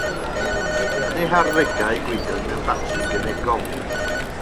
Yn ei harddegau gweithiodd mewn ffatri gemegol.